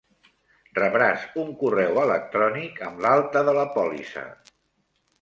Rebràs un correu electrònic amb l'alta de la pòlissa.